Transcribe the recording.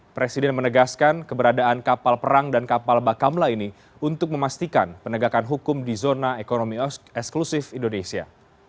presiden menegaskan keberadaan kapal perang dan kapal bakamla ini untuk memastikan penegakan hukum di zona ekonomi eksklusif indonesia